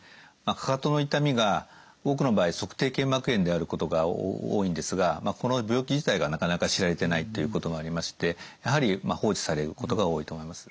かかとの痛みが多くの場合足底腱膜炎であることが多いんですがこの病気自体がなかなか知られてないっていうこともありましてやはり放置されることが多いと思います。